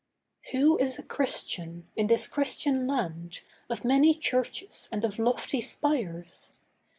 Who is a Christian in this Christian land Of many churches and of lofty spires?